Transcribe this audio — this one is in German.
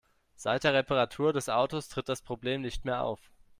Seit der Reparatur des Autos tritt das Problem nicht mehr auf.